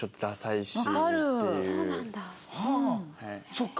そっか。